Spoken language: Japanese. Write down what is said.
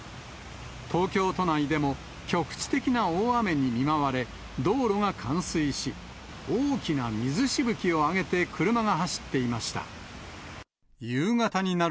東京都内でも局地的な大雨に見舞われ、道路が冠水し、大きな水しぶきを上げて車が走っていました。